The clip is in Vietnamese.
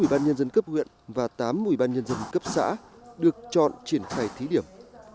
bảy sở bốn ủy ban nhân dân cấp huyện và tám ủy ban nhân dân cấp xã được chọn triển khai thí điểm